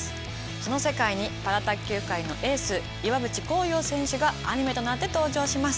その世界にパラ卓球界のエース岩渕幸洋選手がアニメとなって登場します。